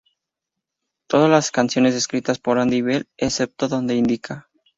Todas las canciones escritas por Andy Bell, excepto donde indica.